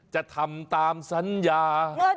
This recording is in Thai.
จะทำตามสัญญา